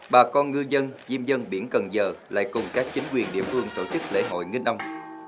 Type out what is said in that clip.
bà con ngư dân diêm dân biển cần giờ lại cùng các chính quyền địa phương tổ chức lễ hội nghìn ông